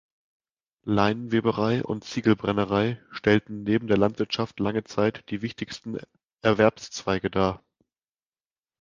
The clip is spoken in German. Leinenweberei und Ziegelbrennerei stellten neben der Landwirtschaft lange Zeit die wichtigsten Erwerbszweige dar.